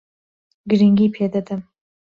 گرنگی پێ دەدەم.